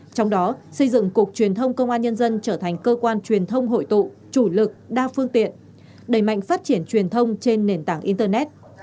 trong đó xây dựng cục truyền thông công an nhân dân trở thành cơ quan truyền thông hội tụ chủ lực đa phương tiện đẩy mạnh phát triển truyền thông trên nền tảng internet